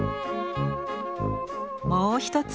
もう一つ